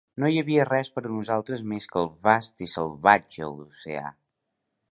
No hi havia res per a nosaltres més que el vast i salvatge oceà.